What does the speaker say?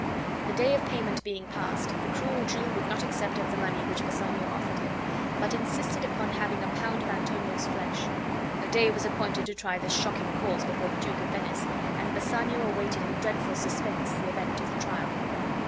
The day of payment being past, the cruel Jew would not accept of the money which Bassanio offered him, but insisted upon having a pound of Antonio's flesh. A day was appointed to try this shocking cause before the Duke of Venice, and Bassanio awaited in dreadful suspense the event of the trial.